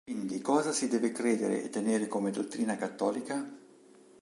Quindi cosa si deve credere e tenere come dottrina cattolica?